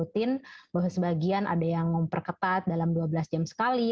jadi lebih rutin bahwa sebagian ada yang memperketat dalam dua belas jam sekali